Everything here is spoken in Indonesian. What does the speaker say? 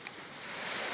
kepala adat desa komodo